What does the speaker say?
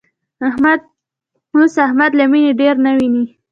اوس احمد له مینې ډېر نه ویني.